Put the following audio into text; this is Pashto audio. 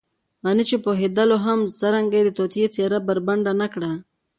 غني چې پوهېدلو هم څرنګه يې د توطیې څېره بربنډه نه کړه.